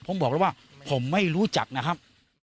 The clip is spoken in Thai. ผมบอกแล้วว่าผมไม่รู้จักนะครับ